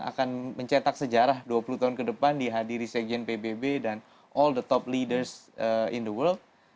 akan mencetak sejarah dua puluh tahun kedepan di hadirin sejen pbb dan all the top leaders in the world